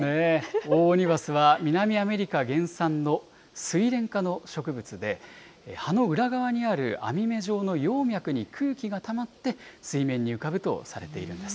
オオオニバスは、南アメリカ原産のスイレン科の植物で、葉の裏側にある網目状の葉脈に空気がたまって、水面に浮かぶとされているんです。